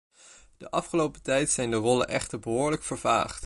De afgelopen tijd zijn de rollen echter behoorlijk vervaagd.